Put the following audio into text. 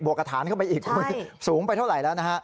บวกกับฐานเข้าไปอีกสูงไปเท่าไหร่แล้ว